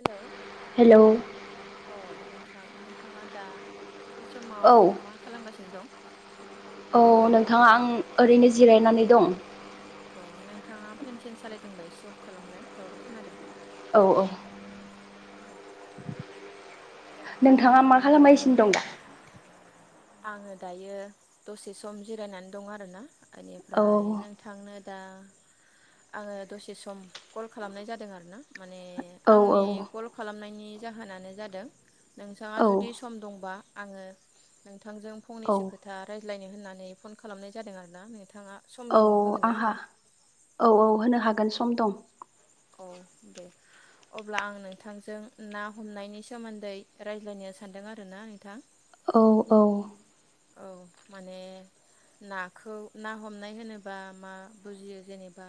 Hello hello थां नोंथांङा दा बे समाव औ मा खालामगासिनो दं? औ नोंथां आं ओरैनो जिरायनानै दं। अ नोंथांङा पेनटेन सालायदोंब एसे अफ खालामलाय दावराव खोनादों? औ औ। नोंथांङा मा खालामगासिनो दं दा? आंङो दायो दसे सम जिरायनानै दं आरो ना। औ इनिफ्राय नोंथांनो दा आंङो दसे सम कल खालामनाय जादों आरोना। माने औ आंनि कल खालामनायनि जाहोनानो जादों नोंथाङा औ जुदि सम दंबा आंङो थांजों औ फंनैसो खोथा रायज्लाय होननानै फन खालामनाय जादों आरोना नोंथाङा सम औ दं होगोन ना आंहा आंनो औ औ होनो हागोन स सम दं। औ दे अब्ला आं नोंथांजों ना हमनायनि सोमोन्दै रायज्लायनो सानदों आरो ना नोंथां। औ औ। औ माने नाखौ ना हमनाय होनोबा मा बुजियो जेनेबा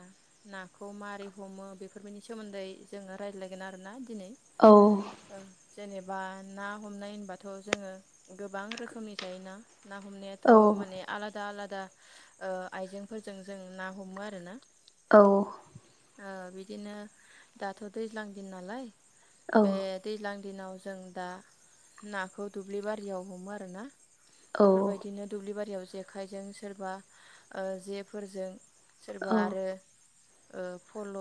नाखौ मारै हमो बेफोरबायनि सोमोन्दै जोंङो रायज्लायगोन आरोना दिनै औ औ जेनेबा ना हमनाय होनबाथ' जोंङो गोबां रोखोमनि थायो ना? ना हमनायाथ' औ माने आलादा आलादा ओ आइजेंफोरजों जों ना हमो आरो ना। औ। ओ बिदिनो दाथ' दैज्लां दिन नालाय औ बे दैज्लां दिनाव जों दा नाखौ दुब्लि बारियाव हमो आरोना। बेफोरबायदिनो दुब्लि बारियाव जेखाइजों सोरबा ओ जेफोरजों सोरबा आरो ओ फल'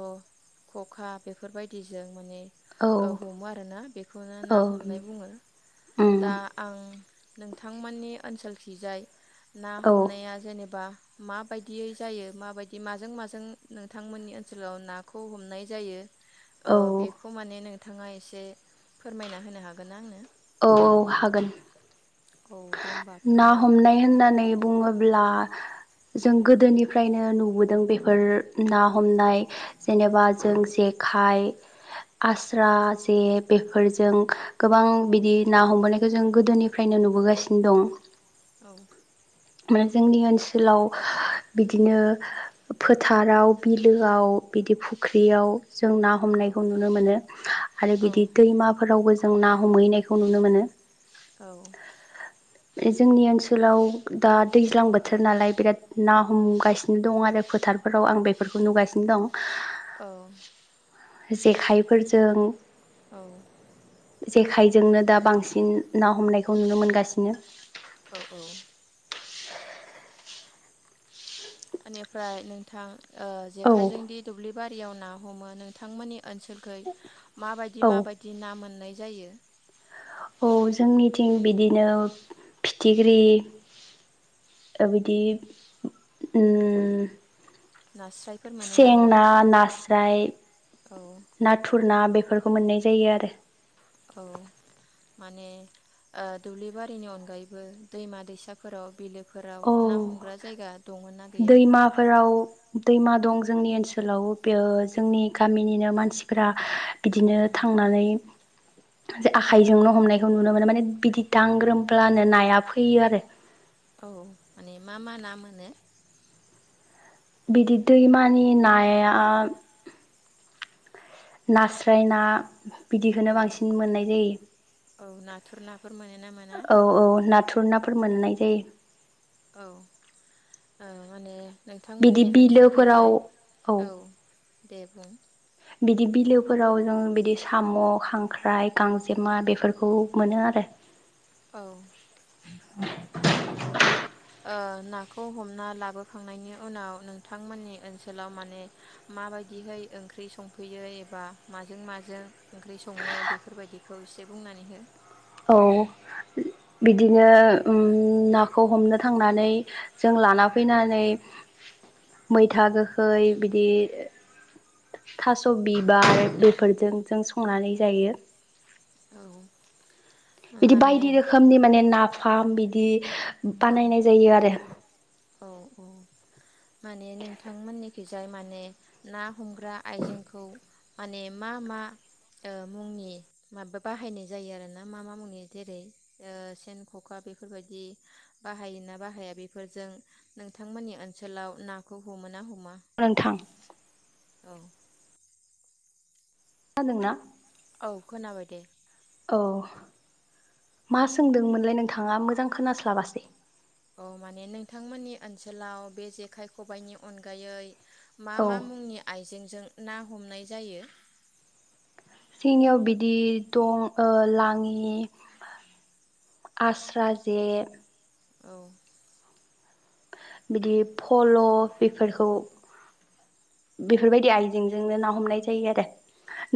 खखा बेफोरबायदिजों माने ओ हमो आरोना बेखौनो ना हमनाय बुङो उम दा आं नों थांमोननि ओनसोलखि जाय ना औ हमनाया जेनेबा माबायदियै जायो माबायदि माजों माजों नोंथांमोननि ओनसोलाव नाखौ हमनाय जायो। ओ औ बेखौ माने नोंथांङा एसे फोरमायना होनो हागोन ना आंनो? औ औ हागोन। औ दे होमबा ना फोरमायदो हमनाय होननानै बुङोब्ला जों गोदोनिफ्रायनो नुबोदों बेफोर ना हमनाय जेनेबा जों जेखाइ आस्रा जे बेफोरजों गोबां बिदि ना हमबोनायखौ जों गोदोनिफ्रायनो नुबोगा सिनो दं। औ जोंनि ओनसोलाव बिदिनो फोथाराव बिलोआव बिदि फुख्रियाव जों ना औ हमनायखौ नुनो मोनो आरो औ बिदि दैमाफोरावबो जों ना हमहैनायखौ नुनो मोनो। औ। बे जोंनि ओनसोलाव दा दैज्लां बोथोर नालाय बिराद ना हमगासिनो दं आरो फोथारफोराव आं बेफोरखौ नुगासिनो दं। औ। जेखाइफोरजों औ। जेखायजोंनो दा बांसिन ना हमनायखौ नुनो मोनगा सिनो। औ औ। एनिफ्राय नोंथां ओ औ जेखाइजों दि दुब्लि बा बारियाव ना हमो नोंथांमोननि ओनसोलखै माबायदि औ माबायदि ना मोननाय जायो? औ जोंनिथिं बिदिनो फिथिख्रि ओ बिदि उम नास्रायफोर मोनो सें मोना ना नास्राय औ नाथुर ना बेफोरखौ मोननाय जायो आरो। औ माने ओ दुब्लि बारिनि अनगायैबो दैमा दैसाफोराव बिलो औ गैया दैमाफोराव दैमा दं जोंनि ओनसोलाव बेयो जोंनि गामिनिनो मानसिफ्रा बिदिनो उम थांनानै जे आखाइजोंनो' हमनायखौ नुनो मोनो माने बिदि दांग्रोमब्लानो नाया फैयो आरो। औ माने मा मा ना मोनो? बिदि दैमानि नाया नास्रायना बिदिखौनो औ बांसिन मोननाय औ नाथुर नाफोर मोनो ना मोना जायो। औ औ नाथुर नाफोर मोननाय जायो। औ ओ माने बिदि नोंथांमोननि ओनसोलखै बिलोफोराव जाय औ दे बुं बिदि बिलोफोराव जों बिदि साम', खांख्राइ, गांजेमा बेफोरखौ मोनो आरो। औ औ माने ओ नाखौ हमना लाबोखांनायनि उनाव नोंथांमोननि ओनसोलाव माने माबायदिहै ओंख्रि संफैयो एबा माजों माजों ओंख्रि सङो बेफोरबायदिखौ एसे बुंनानै हो। औ। बिदिनो उम नाखौ हमनो थांनानै जों लाना फैनानै मैथा गोखै बिदि थास' बिबार बेफोरजों जों संनानै जायो। औ। बिदि माने बायदि रोखोमनि माने नाफोर नाफाम बिदि औ बानायनाय जायो आरो। औ औ माने नोंथांमोननिखिजाय माने ना हमग्रा आइजेंखौ माने मा मा मुंनि माबा बाहायनाय जायो आरो ना मा मा मुंनि जेरै सेन, ख'खा बेफोरबायदि। बाहायोना बाहाया बेफोरजों नोंथांमोननि ओनसोलाव नाखौ हमो ना ह नोंथां औ। खोनादोंना? औ खोनाबाय दे। औ मा सोंदोंमोनलाय नोंथाङा मोजां खोनास्लाबासै। औ माने नोंथांमोननि ओनसोलाव बे जेखाइ खबाइनि अनगायै मा औ मा मुंनि आइजेंजों ना हमनाय जायो? जोंनियाव बिदि दं लाङि आस्रा जे औ। बिदि फल' बेफोरखौ बेफोरबायदि आइजेंजोंनो ना हमनाय जायो आरो।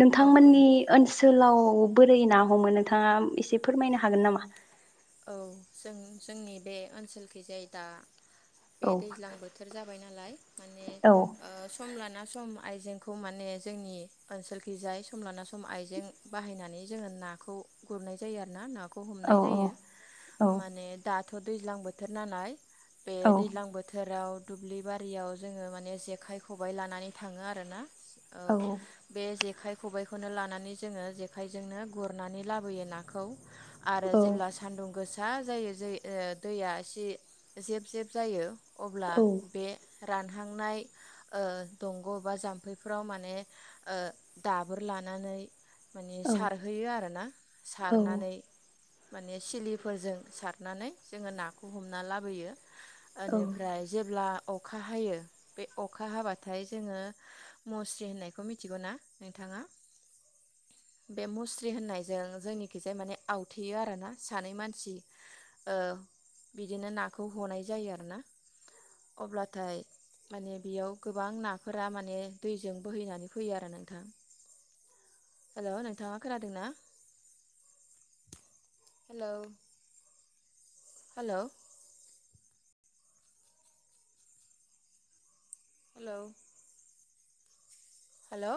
नोंथांमोननि ओनसोलाव अ बोरै ना हमो नोंथाङा एसे फोरमायनो हागोन नामा? औ जों जोंनि बे ओनसोलखै जाय दा बे औ दैज्लां बोथोर जाबाय नालाय माने औ सम लाना सम आइजेंखौ माने जोंनि ओनसोलखि जाय सम लाना सम आइजें बाहायनानै जोङो नाखौ गुरनाय जायो आरो ना। नाखौ औ हमनाय जायो। औ माने दा दाथ' दैज्लां बोथोर नालाय बे औ दैज्लां बोथोराव दुब्लि बारियाव जोङो माने जेखाइ खबाइ लानानै थाङो आर ना औ बे जे खाइ खबाइखौनो लानानै जोङो जेखाइजोंनो गुरनानै लाबोयो नाखौ। आरो जेल्बा सानदुं गोसा जायो दैया एसे जेब जेब जायो अब्ला औ बे रानहांनाय दंग' बा जाम्फैफोराव माने दाबोर लानानै माने औ सारहैयो आरोना औ सारनानै माने सिलिफोरजों सारनानै जोङो नाखौ हमना लाबोयो। औ एनिफ्राय जेब्ला अखा हायो बे अखा हाबाथाय जोङो मुस्रि होननायखौ मिथिगौ ना नोंथाङा? बे मुस्रि होननायजों जोंनिखिजाय माने आवथेयो आरो ना। सानै मानसि ओ बिदिनो नाखौ हनाय जायो आरोना अब्लाथाय माने बेयाव गोबां नाफोरा माने दैजों बोहैनानै फैयो आरो नोंथां। हेलौ, नोंथाङा खोनादोंना? हेलौ। हेलौ। हेलौ। हेलौ।